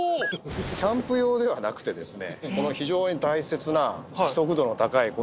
キャンプ用ではなくてですね。